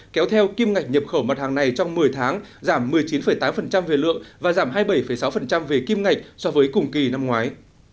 kéo theo kim ngạch nhập khẩu mặt hàng này trong một mươi tháng giảm một mươi chín tám về lượng và giảm hai mươi bảy sáu về kim ngạch so với cùng kỳ năm ngoái